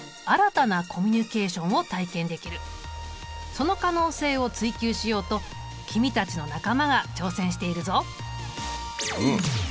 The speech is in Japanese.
その可能性を追究しようと君たちの仲間が挑戦しているぞ。